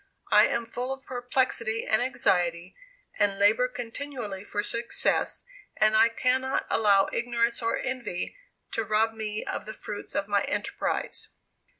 I am full of perplexity and anxiety, and labor continually for success, and I cannot allow ignorance or envy to rob me of the fruits of my enterprise.